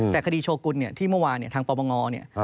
แต่คดีโชกุลเนี่ยที่เมื่อวานเนี่ยทางปปงเนี่ย